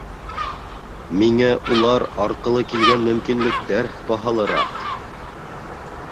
Миңә улар арҡылы килгән мөмкинлектәр баһалыраҡ.